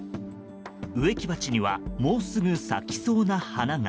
植木鉢にはもうすぐ咲きそうな花が。